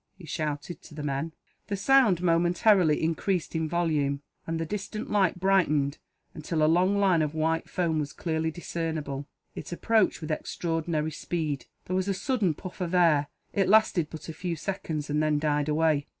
he shouted to the men. The sound momentarily increased in volume, and the distant light brightened until a long line of white foam was clearly discernible. It approached with extraordinary speed. There was a sudden puff of air. It lasted but a few seconds, and then died away.